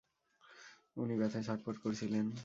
উনি ব্যাথায় ছটফট করছিলেন!